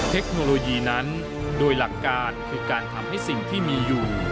เทคโนโลยีนั้นโดยหลักการคือการทำให้สิ่งที่มีอยู่